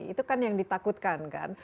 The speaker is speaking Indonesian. itu kan yang ditakutkan kan